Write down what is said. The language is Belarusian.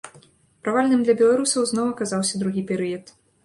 Правальным для беларусаў зноў аказаўся другі перыяд.